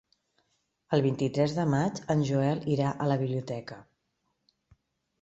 El vint-i-tres de maig en Joel irà a la biblioteca.